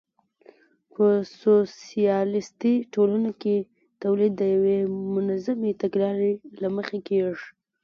په سوسیالیستي ټولنو کې تولید د یوې منظمې تګلارې له مخې کېږي